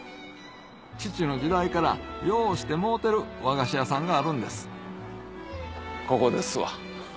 父の時代からようしてもろてる和菓子屋さんがあるんですここですわ。